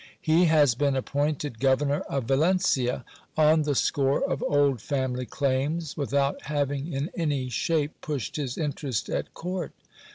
He has been appointed Governor of Valencia, on the score of old family claims, without having in any shape pushed his interest at court.